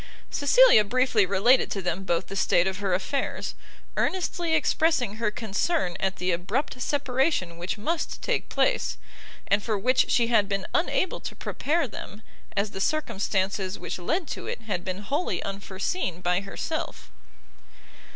Cecilia briefly related to them both the state of her affairs, earnestly expressing her concern at the abrupt separation which must take place, and for which she had been unable to prepare them, as the circumstances which led to it had been wholly unforeseen by herself.